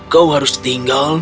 kau harus tinggal